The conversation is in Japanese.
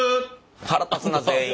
腹立つな全員。